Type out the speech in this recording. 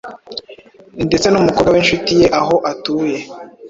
ndetse n’umukobwa w’inshuti ye aho atuye.